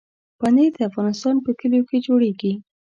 پنېر د افغانستان په کلیو کې جوړېږي.